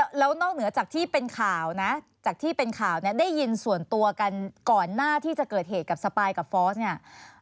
แล้วนอกเหนือจากที่เป็นข่าวนะได้ยินส่วนตัวกันก่อนหน้าที่จะเกิดเหตุกับสปายกับฟอสเนี่ย